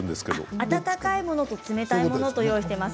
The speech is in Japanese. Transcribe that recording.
温かいものと冷たいものをご用意しています。